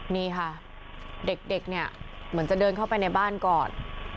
นี่ค่ะเด็กเนี่ยเหมือนจะเดินเข้าไปในบ้านก่อน